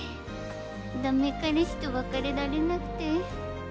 ダメ彼氏と別れられなくて。